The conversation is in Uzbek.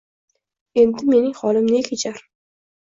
Endi mening holim ne kechar?..